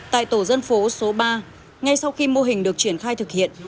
tại tổ dân phố số ba ngay sau khi mô hình được triển khai thực hiện